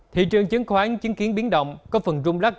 thị trường chứng khoán chứng kiến biến động có phần rung lắc